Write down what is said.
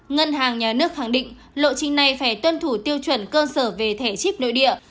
ngân hàng nhà nước khẳng định lộ trình này phải tuân thủ tiêu chuẩn cơ sở về thẻ chip nội địa